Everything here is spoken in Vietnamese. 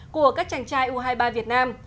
của các chàng trai u hai mươi ba việt nam